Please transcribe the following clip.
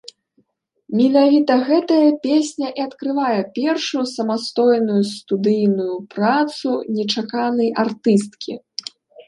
Менавіта гэтая песня і адкрывае першую самастойную студыйную працу нечаканай артысткі.